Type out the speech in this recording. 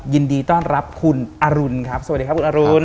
ยินดีต้อนรับคุณอรุณครับสวัสดีครับคุณอรุณ